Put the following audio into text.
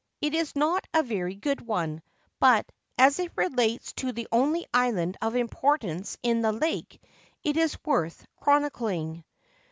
It is not a very good one ; but, as it relates to the only island of importance in the lake, it is worth chronicling.